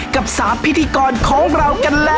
กับ๓พิธีกรของเรากันแล้ว